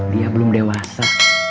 dia belum dewasa